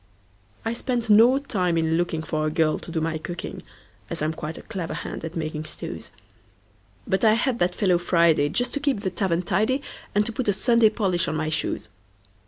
I spent no time in lookingFor a girl to do my cooking, As I'm quite a clever hand at making stews; But I had that fellow Friday, Just to keep the tavern tidy, And to put a Sunday polish on my shoes.